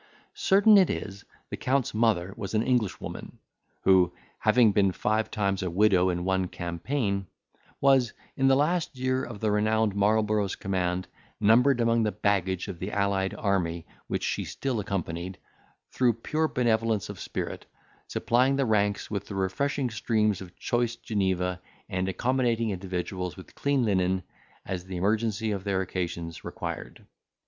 Certain it is, the Count's mother was an Englishwoman, who, after having been five times a widow in one campaign, was, in the last year of the renowned Marlborough's command, numbered among the baggage of the allied army, which she still accompanied, through pure benevolence of spirit, supplying the ranks with the refreshing streams of choice Geneva, and accommodating individuals with clean linen, as the emergency of their occasions required.